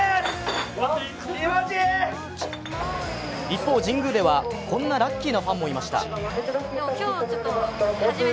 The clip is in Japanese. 一方、神宮ではこんなラッキーなファンもいました。